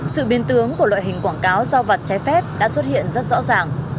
sự biên tướng của loại hình quảng cáo giao vặt trái phép đã xuất hiện rất rõ ràng